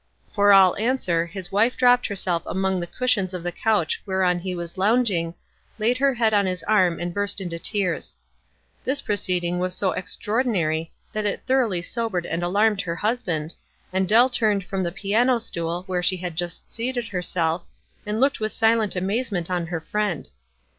For all answer his wife dropped herself among the cushions of the couch whereon he was loung ing, laid her head on his arm and burst into tears. This proceeding was so extraordinary that it thoroughly sobered and alarmed her hus band, and Dell turned from the piano stool, where she had just seated herself, and looked with silent amazement on her friend.